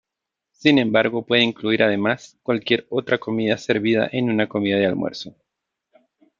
Sin embargo, puede incluir además cualquier otra comida servida en una comida de almuerzo.